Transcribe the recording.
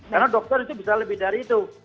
karena dokter itu bisa lebih dari itu